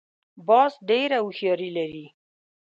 باز ډېره هوښیاري لري